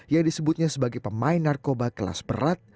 yang disebutnya sebagai pemain narkoba kelas berat